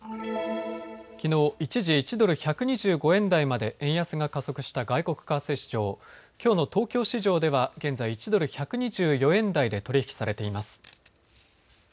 きのう一時１ドル１２５円台まで円安が加速した外国為替市場、きょうの東京市場では現在１ドル１２４円台で取り引きされています。